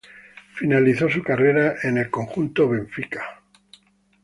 Finalizó su carrera en el conjunto Benfica.